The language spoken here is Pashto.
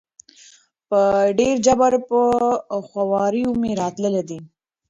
په ډېر جبر په خواریو مي راتله دي